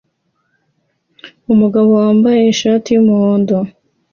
Umugabo wambaye ishati yumuhondo